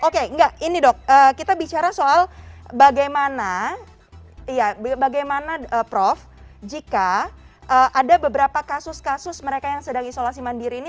oke enggak ini dok kita bicara soal bagaimana prof jika ada beberapa kasus kasus mereka yang sedang isolasi mandiri ini